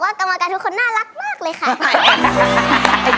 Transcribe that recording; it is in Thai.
เล้วะคือกรรมการยังน่ารักมากเลยค่ะ